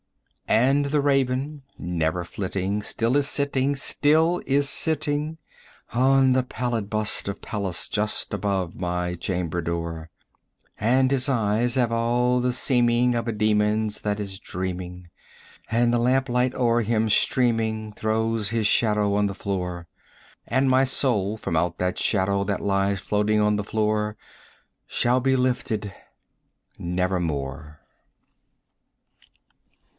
And the Raven, never flitting, still is sitting, still is sitting On the pallid bust of Pallas just above my chamber door; And his eyes have all the seeming of a demon's that is dreaming, 105 And the lamp light o'er him streaming throws his shadow on the floor: And my soul from out that shadow that lies floating on the floor Shall be lifted nevermore.